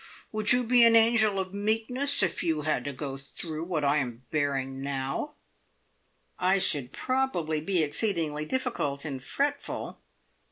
Would you be an angel of meekness if you had to go through what I am bearing now?" "I should probably be exceedingly difficult and fretful.